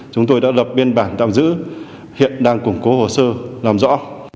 chúng tôi đã lập biên bản tạm giữ hiện đang củng cố hồ sơ làm rõ